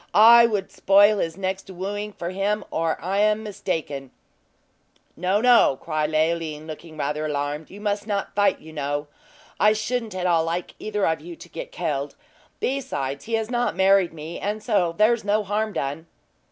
I would spoil his next wooing for him, or I am mistaken!" "No, no!" said Leoline, looking rather alarmed; "you must not fight, you know. I shouldn't at all like either of you to get killed. Besides, he has not married me; and so there's no harm done."